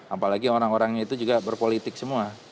apalagi orang orangnya itu juga berpolitik semua